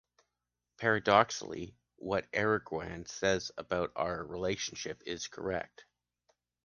Paradoxically, what Enguerrand says about our relationship is correct.